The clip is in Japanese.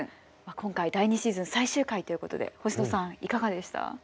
今回第２シーズン最終回ということで星野さんいかがでした？